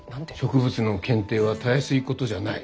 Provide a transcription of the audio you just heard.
植物の検定はたやすいことじゃない。